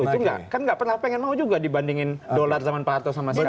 itu kan nggak pernah pengen mau juga dibandingin dolar zaman pak harto sama sekali